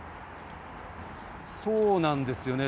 そうなんですよね。